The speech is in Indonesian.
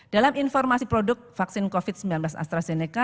dalam informasi produk vaksin covid sembilan belas astrazeneca